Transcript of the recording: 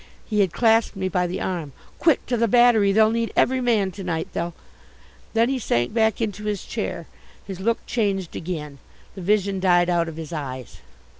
He had clasped me by the arm. "Quick, to the Battery, they'll need every man to night, they'll " Then he sank back into his chair. His look changed again. The vision died out of his eyes.